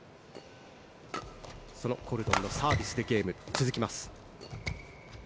そのコルドンのサービスでゲーム続きます。